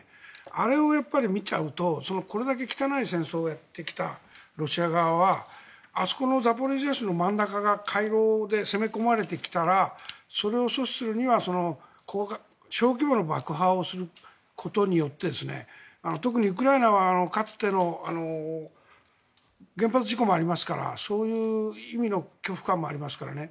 あれをやっぱり見ちゃうとこれだけ汚い戦争をやってきたロシア側はあそこのザポリージャ州の真ん中が回廊で攻め込まれてきたらそれを阻止するには小規模の爆破をすることによって特にウクライナはかつての原発事故もありますからそういう意味の恐怖感もありますからね。